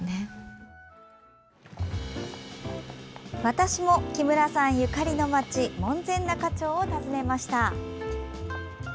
私も、木村さんゆかりの町門前仲町を訪ねました。